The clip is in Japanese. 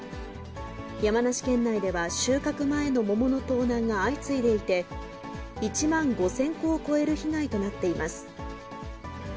山梨県内では、収穫前の桃の盗難が相次いでいて、１万５０００個を超える被害となっています。